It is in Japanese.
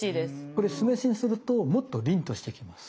これ酢飯にするともっと凛としてきます。